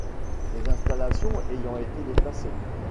Les installations ayant été déplacées.